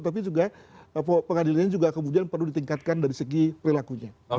tapi juga pengadilannya juga kemudian perlu ditingkatkan dari segi perilakunya